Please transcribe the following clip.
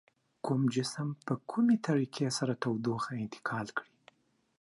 کوم جسم په کومې طریقې سره تودوخه انتقال کړي؟